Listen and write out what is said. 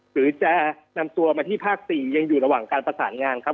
หรือจะนำตัวมาที่ภาค๔ยังอยู่ระหว่างการประสานงานครับ